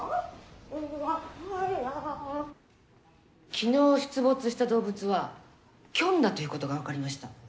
昨日出没した動物はキョンだということが分かりました。